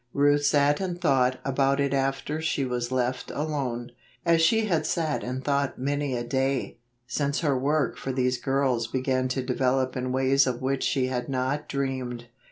Ruth sat and thought about it after she was left alone; as she had sat and thought many a day, since her work for these girls began to develop in ways of which she had not dreamed.